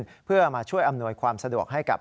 ระบบนี้ขึ้นเพื่อมาช่วยอำนวยความสะดวกให้กับ